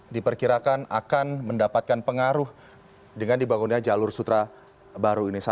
diperkirakan akan mendapatkan pengaruh dengan dibangunnya jalur sutra